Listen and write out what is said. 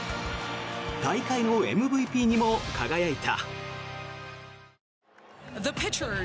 大会のＭＶＰにも輝いた。